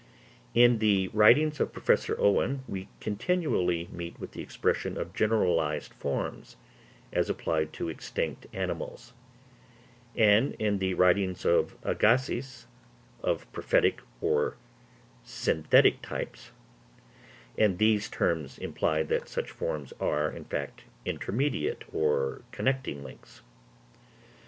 In the writings of Professor Owen we continually meet with the expression of generalised forms, as applied to extinct animals; and in the writings of Agassiz, of prophetic or synthetic types; and these terms imply that such forms are, in fact, intermediate or connecting links.